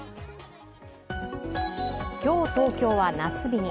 今日、東京は夏日に。